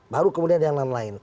baru kemudian ada yang lain lain